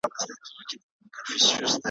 په هر کور کي د وطن به یې منلی ,